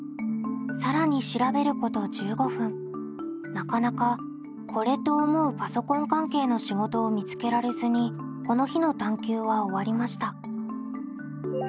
なかなかこれと思うパソコン関係の仕事を見つけられずにこの日の探究は終わりました。